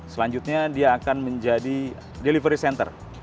selanjutnya dia akan menjadi delivery center